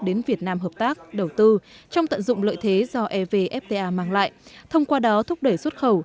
đến việt nam hợp tác đầu tư trong tận dụng lợi thế do evfta mang lại thông qua đó thúc đẩy xuất khẩu